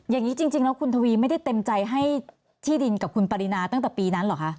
อย่างนี้จริงแล้วคุณทวีไม่ได้เต็มใจให้ที่ดินกับคุณปรินาตั้งแต่ปีนั้นเหรอคะ